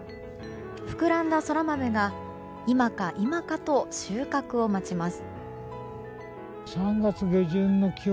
膨らんだソラマメが今か今かと収穫を待ちます。